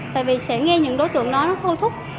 tại vì sẽ nghe những đối tượng đó nó thôi thúc